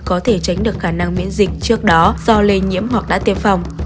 có thể tránh được khả năng miễn dịch trước đó do lây nhiễm hoặc đã tiêm phòng